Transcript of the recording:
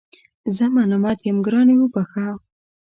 زه ملامت یم ګرانې وبخښه